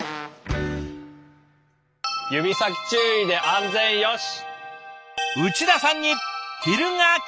指先注意で安全よし！